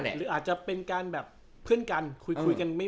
หรืออาจจะเป็นการแบบเพื่อนกันคุยกันไม่